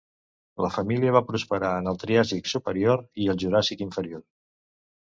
La família va prosperar en el Triàsic superior i el Juràssic inferior.